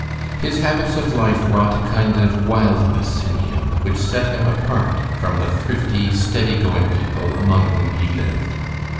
His habits of life wrought a kind of wildness in him which set him apart from the thrifty, steady going people among whom he lived.